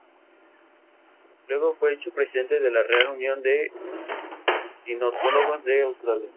Luego fue hecho presidente de la Real Unión de Ornitólogos de Australasia.